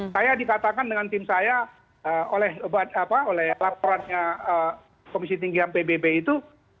saya dikatakan dengan tim saya oleh laporannya komisi tinggi ham pbb itu